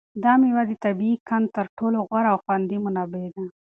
دا مېوه د طبیعي قند تر ټولو غوره او خوندي منبع ده.